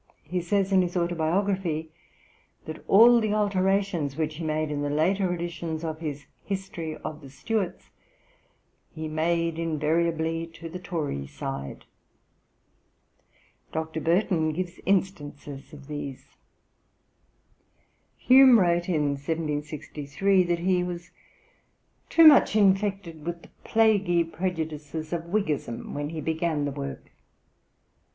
He says in his Autobiography/ (p. xi.) that all the alterations which he made in the later editions of his History of the Stuarts, 'he made invariably to the Tory side.' Dr. Burton gives instances of these; Life of Hume, ii. 74. Hume wrote in 1763 that he was 'too much infected with the plaguy prejudices of Whiggism when he began the work.'